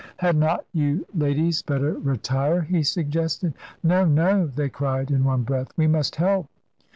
"Had not you ladies better retire?" he suggested. "No, no!" they cried in one breath. "We must help."